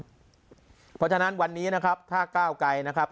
เพราะฉะนั้นวันนี้นะครับถ้าก้าวไกรนะครับ